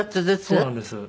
そうなんです。